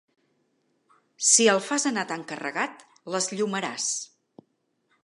Si el fas anar tan carregat, l'esllomaràs.